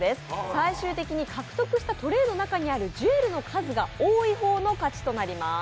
最終的に獲得したトレイにあるジュエルの数が多い方の勝ちとなります。